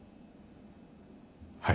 はい。